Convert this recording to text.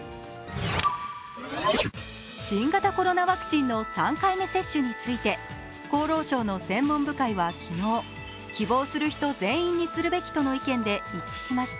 新型コロナワクチンの３回目接種について厚労省の専門部会は昨日希望する人全員にするべきとの意見で一致しました。